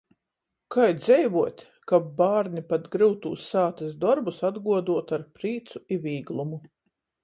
Kai dzeivuot, kab bārni pat gryutūs sātys dorbus atguoduotu ar prīcu i vīglumu.